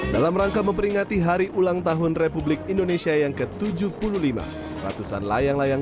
dalam rangka memperingati hari ulang tahun republik indonesia yang ke tujuh puluh lima ratusan layang layang